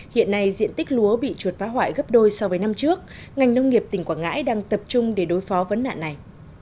hiện nay diện tích lúa bị chuột phá hoại gấp đôi so với năm trước ngành nông nghiệp tỉnh quảng ngãi đang tập trung để đối phó vấn nạn này